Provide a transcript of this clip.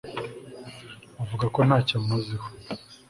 avuga ko ntacyo amuziho